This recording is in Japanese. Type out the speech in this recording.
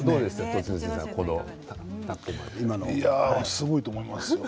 すごいと思いますよ。